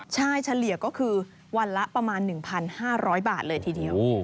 ใช่เฉลี่ยก็คือวันละประมาณ๑๕๐๐บาทเลยทีเดียว